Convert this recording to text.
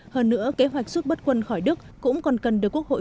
hơn nữa kế hoạch rút bất quân khỏi đức cũng còn cần được quốc hội